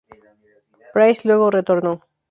Price luego retornó.